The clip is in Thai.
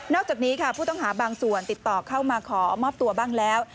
จากนี้ค่ะผู้ต้องหาบางส่วนติดต่อเข้ามาขอมอบตัวบ้างแล้ว